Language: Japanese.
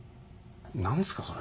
何すかそれ。